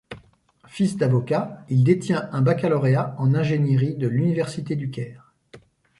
Fils d’avocat il détient un baccalauréat en ingénierie de l'université du Caire.